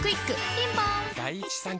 ピンポーン